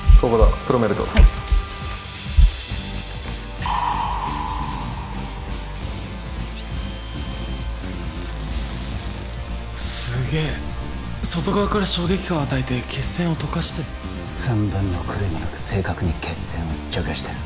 プロメルトはいすげえ外側から衝撃波を与えて血栓を溶かしてる寸分の狂いもなく正確に血栓を除去してる